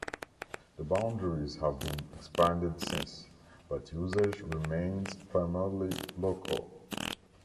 The boundaries have been expanded since, but usage remains primarily local.